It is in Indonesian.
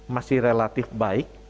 masih relatif baik